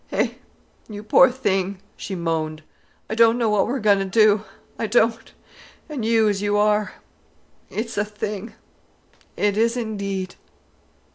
Eh, you poor thing!" she moaned. "I don't know what we're going to do, I don't—and you as you are—it's a thing, it is indeed!"